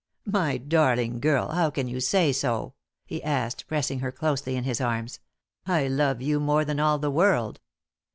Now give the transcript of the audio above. "My darling, girl, how can you say so?" he asked, pressing her closely in his arms. "I love you more than all the world."